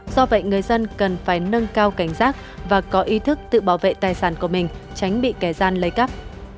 do vậy người dân cần phải nâng cao cảnh giác và có ý thức tự bảo vệ tài sản của mình tránh bị kẻ gian lấy cắp